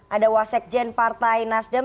ada wasekjen partai nasdem